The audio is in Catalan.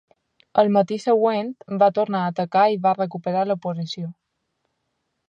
Al matí següent va tornar a atacar i va recuperar la posició.